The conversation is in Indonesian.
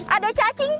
ada cacing pak